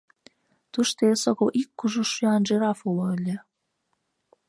Тушто эсогыл ик кужу шӱян жираф уло ыле.